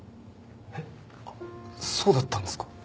えっそうだったんですか？